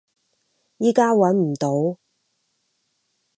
依家揾唔到